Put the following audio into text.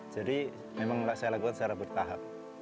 jadi memang saya lakukan secara bertahap